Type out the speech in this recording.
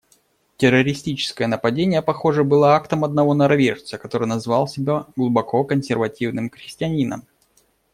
Террористическое нападение, похоже, было актом одного норвежца, который назвал себя глубоко консервативным христианином.